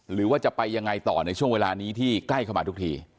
หรือว่าจะไปยังไงต่อในช่วงเวลานี้ที่ใกล้เข้ามาทุกที